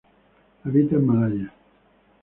Habita en Malaya.